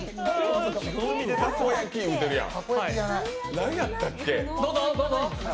何やったっけ？